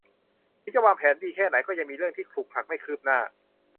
ถึงจะวางแผนดีแค่ไหนก็ยังมีเรื่องที่ขลุกขลักไม่คืบหน้า